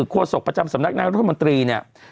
โศกประจำสำนักนายรัฐมนตรีเนี่ย